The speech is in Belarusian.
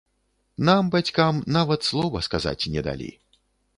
Нам, бацькам, нават слова сказаць не далі.